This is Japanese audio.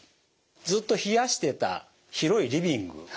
ずっと冷やしてた広いリビング。